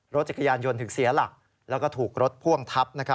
รถจักรยานยนต์ถึงเสียหลักแล้วก็ถูกรถพ่วงทับ